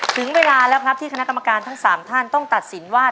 ถึงเวลาแล้วครับที่คณะกรรมการทั้ง๓ท่านต้องตัดสินว่า